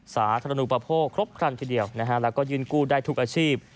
สาธารณูปโภคครบครันทีเดียวแล้วก็ยื่นกู้ได้ทุกอาชีพ